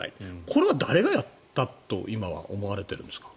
これは誰がやったと今は思われているんですか？